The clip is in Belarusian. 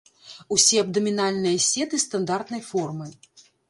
Усе абдамінальныя сеты стандартнай формы.